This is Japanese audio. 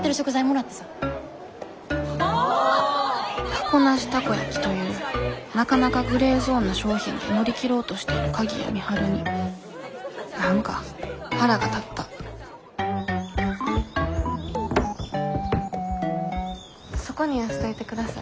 タコなしタコ焼きというなかなかグレーゾーンな商品で乗り切ろうとしている鍵谷美晴に何か腹が立ったそこに寄せといて下さい。